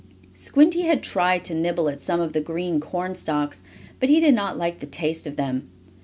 Squinty had tried to nibble at some of the green corn stalks, but he did not like the taste of them.